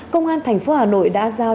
công an thành phố hà nội đã giao